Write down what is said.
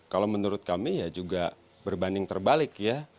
kalau menurut kami ya juga berbanding terbalik ya